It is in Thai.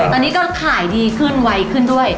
ตอนนี้ก็ขายดีขึ้นไวขึ้นด้วย